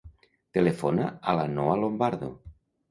Telefona a la Noha Lombardo.